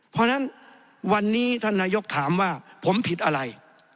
เพราะฉะนั้นวันนี้ท่านนายกถามว่าผมผิดอะไร